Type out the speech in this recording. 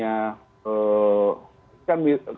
nuansanya kita harapkan tidak hanya